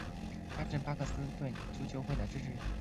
他是巴克斯顿足球会的支持者。